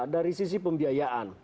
dari sisi pembiayaan